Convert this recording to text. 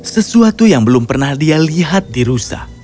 sesuatu yang belum pernah dia lihat di rusa